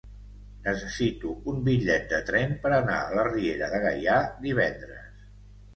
Necessito un bitllet de tren per anar a la Riera de Gaià divendres.